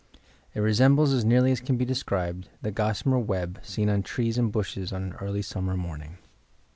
It resembles as nearly as can be described the gossamer web, seen on trees and bushes on an early summer morning."